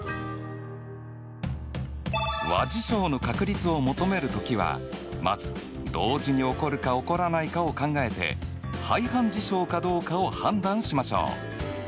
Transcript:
和事象の確率を求める時はまず同時に起こるか起こらないかを考えて排反事象かどうかを判断しましょう！